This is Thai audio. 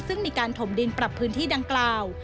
ซึ่งมีการถมดินปรับพื้นที่ดังกล่าว